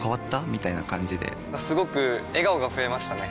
みたいな感じですごく笑顔が増えましたね！